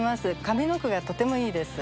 上の句がとてもいいです。